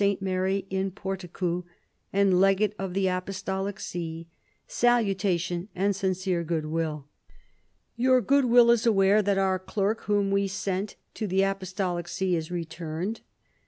Mary in Porticu and legate of the apostolic see, salutation and sincere goodwill. Your goodwill is aware that our clerk whom we sent to the apostolic see is returned.